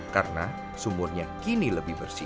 karena sumurnya kini lebih bersih